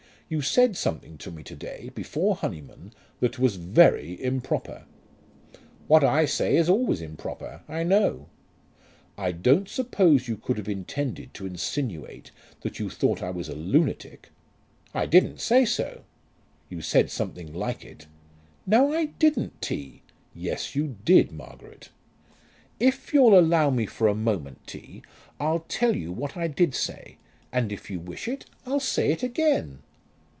You said something to me to day, before Honyman, that was very improper." "What I say always is improper, I know." "I don't suppose you could have intended to insinuate that you thought that I was a lunatic." "I didn't say so." "You said something like it." "No, I didn't, T." "Yes you did, Margaret." "If you'll allow me for a moment, T., I'll tell you what I did say, and if you wish it, I'll say it again."